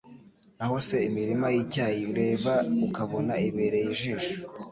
Naho se imirima y'icyayi, ureba ukabona ibereye ijisho!